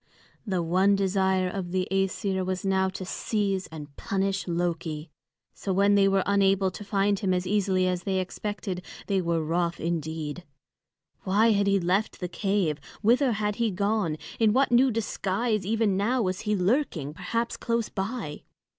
The one desire of the Æsir was now to seize and punish Loki. So when they were unable to find him as easily as they expected, they were wroth indeed. Why had he left the cave? Whither had he gone? In what new disguise even now was he lurking, perhaps close by?